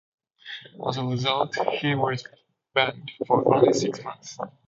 As a result he was banned for only six months.